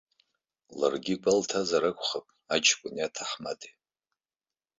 Ларгьы игәалҭазар акәхап аҷкәыни аҭаҳмадеи.